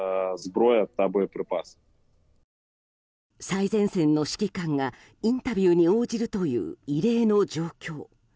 最前線の指揮官がインタビューに応じるという異例の状況。